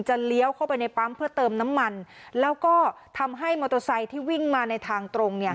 เลี้ยวเข้าไปในปั๊มเพื่อเติมน้ำมันแล้วก็ทำให้มอเตอร์ไซค์ที่วิ่งมาในทางตรงเนี่ย